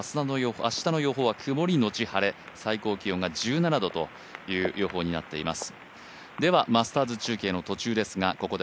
明日の予報は曇りのち晴れ最高気温が１７度という予報になっています。